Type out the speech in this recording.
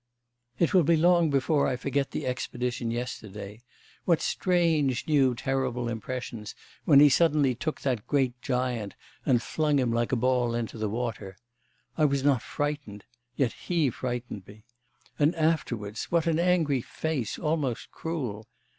'... It will be long before I forget the expedition yesterday. What strange, new, terrible impressions when he suddenly took that great giant and flung him like a ball into the water. I was not frightened ... yet he frightened me. And afterwards what an angry face, almost cruel!